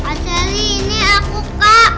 kak selly ini aku kak